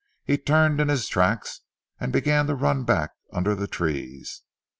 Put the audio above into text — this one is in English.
He turned in his tracks and began to run back under the trees.